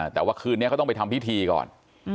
แต่ว่าคืนนี้เขาต้องไปทำพิธีก่อน